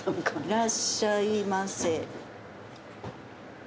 「いらっしゃいませ」。